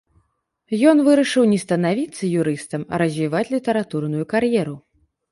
Ён вырашыў не станавіцца юрыстам, а развіваць літаратурную кар'еру.